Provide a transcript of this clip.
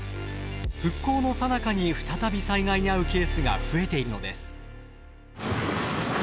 復興のさなかに再び災害に遭うケースが増えているのです。